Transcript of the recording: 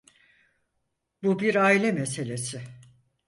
Bu bir aile meselesi.